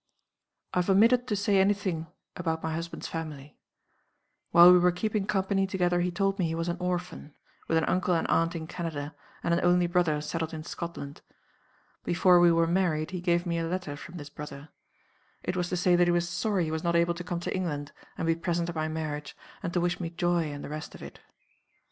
"I have omitted to say any thing about my husband's family. "While we were keeping company together he told me he was an orphan with an uncle and aunt in Canada, and an only brother settled in Scotland. Before we were married he gave me a letter from this brother. It was to say that he was sorry he was not able to come to England, and be present at my marriage, and to wish me joy and the rest of it.